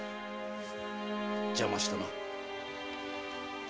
邪魔をしたな。